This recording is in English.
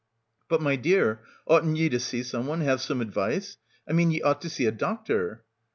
"But, my dear, oughtn't ye to see someone — have some advice? I mean ye ought to see a doctor."